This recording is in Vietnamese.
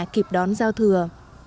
kịp đón giao thừa